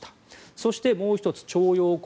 そして、もう１つ徴用工